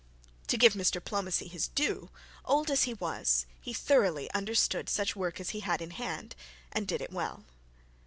To give Mr Pomney his due, old as he was, he thoroughly understood such work as he had in hand, and did it well.